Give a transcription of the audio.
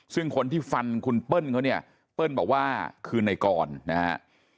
ซึ่งคนที่ฟันคุณเปิ้ลเขาเนี่ยเปิ้ลบอกว่าคือในกรนะฮะ